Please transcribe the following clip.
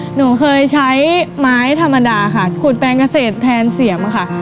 หนูเคยใช้ไม้ธรรมดาค่ะขุดแปลงเกษตรแทนเสียมค่ะ